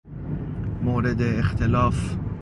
مورد اختلاف